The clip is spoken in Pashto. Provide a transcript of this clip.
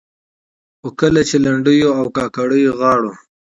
خو کله چې لنډيو او کاکړيو غاړو